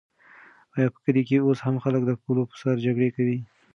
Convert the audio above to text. آیا په کلي کې اوس هم خلک د پولو په سر جګړې کوي؟